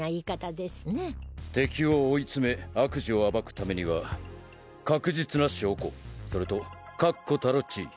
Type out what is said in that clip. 敵を追い詰め悪事を暴くためには確実な証拠それと確固たる地位。